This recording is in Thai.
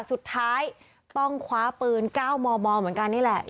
สุดท้ายต้องคว้าปืน๙มมเหมือนกันนี่แหละ